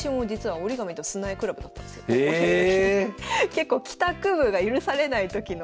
結構帰宅部が許されないときの。